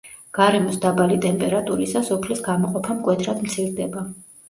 გარემოს დაბალი ტემპერატურისას ოფლის გამოყოფა მკვეთრად მცირდება.